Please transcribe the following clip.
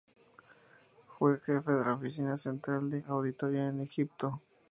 Fue jefe de la Oficina Central de Auditoría de Egipto.